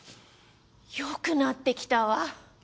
よくなってきたわ。